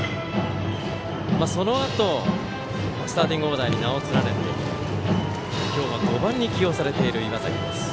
そのあとスターティングオーダーに名を連ねて今日は５番に起用されている岩崎。